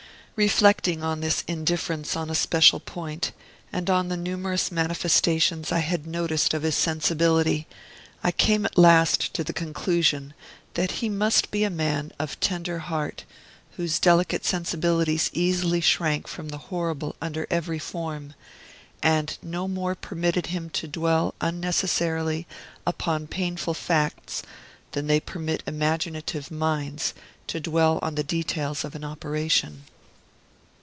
Reflecting on this indifference on a special point, and on the numerous manifestations I had noticed of his sensibility, I came at last to the conclusion that he must be a man of tender heart, whose delicate sensibilities easily shrank from the horrible under every form; and no more permitted him to dwell unnecessarily upon painful facts, than they permit imaginative minds to dwell on the details of an operation.